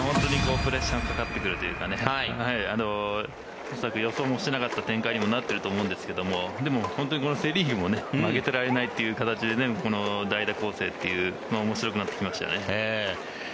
プレッシャーのかかってくるというか予想していなかった展開になっていると思うんですけれどもセ・リーグも負けてられないという形で全部、代打攻勢という面白くなってきましたよね。